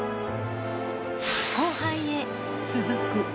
後半へ続く。